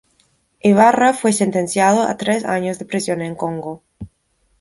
Ibarra fue sentenciado a tres años de prisión en Congo.